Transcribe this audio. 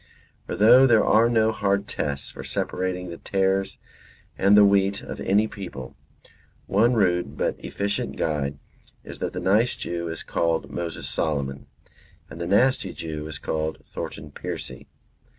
For though there are no hard tests for separating the tares and the wheat of any people, one rude but efficient guide is that the nice Jew is called Moses Solomon, and the nasty Jew is called Thornton Percy.